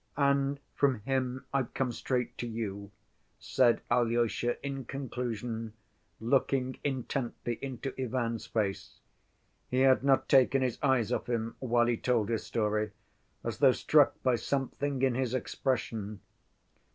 "And from him I've come straight to you," said Alyosha, in conclusion, looking intently into Ivan's face. He had not taken his eyes off him while he told his story, as though struck by something in his expression.